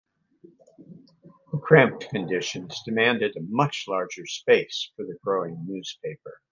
The cramped conditions demanded a much larger space for the growing newspaper.